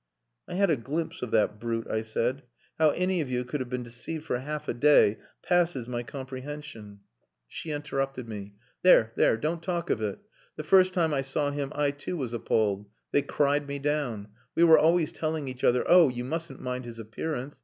"I had a glimpse of that brute," I said. "How any of you could have been deceived for half a day passes my comprehension!" She interrupted me. "There! There! Don't talk of it. The first time I saw him, I, too, was appalled. They cried me down. We were always telling each other, 'Oh! you mustn't mind his appearance.